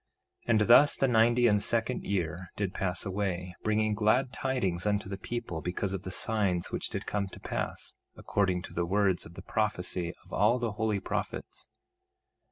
1:26 And thus the ninety and second year did pass away, bringing glad tidings unto the people because of the signs which did come to pass, according to the words of the prophecy of all the holy prophets.